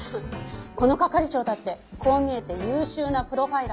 この係長だってこう見えて優秀なプロファイラーだし。